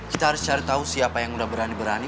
kita harus cari tahu siapa yang sudah berani berani